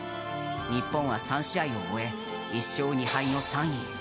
日本は３試合を終え１勝２敗の３位。